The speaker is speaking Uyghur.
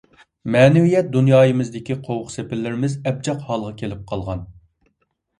مەنىۋىيەت دۇنيايىمىزدىكى قوۋۇق - سېپىللىرىمىز ئەبجەق ھالغا كېلىپ قالغان.